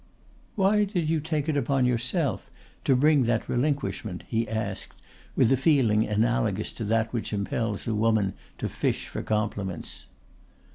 "Why did you take upon yourself to bring that relinquishment," he asked, with a feeling analogous to that which impels a woman to fish for compliments.